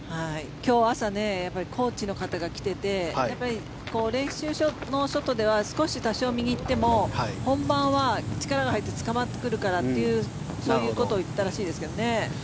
今日、朝コーチの方が来ていて練習のショットでは少し多少、右に行っても本番は力が入ってつかまってくるからというそういうことを言ったらしいですがね。